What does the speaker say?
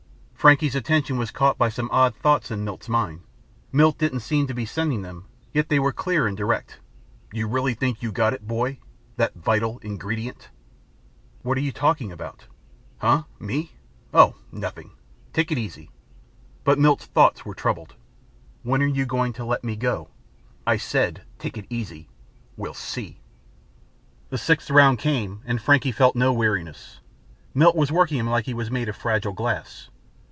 Frankie's attention was caught by some odd thoughts in Milt's mind. Milt didn't seem to be sending them, yet they were clear and direct: You really think you've got it, boy? That vital ingredient? What you talking about? Huh? Me? Oh, nothing. Take it easy. But Milt's thoughts were troubled. When you going to let me go? I said, take it easy. We'll see. The sixth round came and Frankie felt no weariness. Milt was working him like he was made of fragile glass.